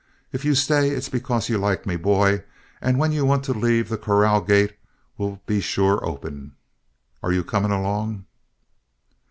If you stay it's because you like me, boy; and when you want to leave the corral gate will be sure open. Are you coming along?"